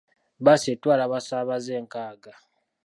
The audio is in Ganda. Bbaasi etwala abasaabaze nkaaga.